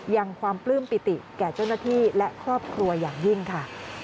ยังความปลื้มปิติแก่เจ้าหน้าที่และครอบครัวอย่างยิ่งค่ะ